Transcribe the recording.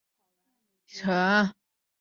溶剂效应涉及到三个概念溶剂空腔形成。